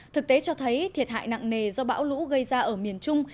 thực tế cho thấy thiệt hại nặng nề do bão lũ gây ra ở miền trung